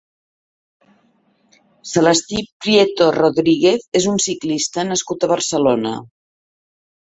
Celestí Prieto Rodríguez és un ciclista nascut a Barcelona.